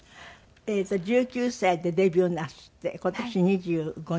１９歳でデビューなすって今年２５年。